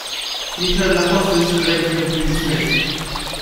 Michel Lafosse's claims have been dismissed.